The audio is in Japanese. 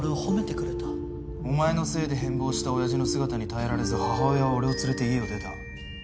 お前のせいで変貌した親父の姿に耐えられず母親は俺を連れて家を出た。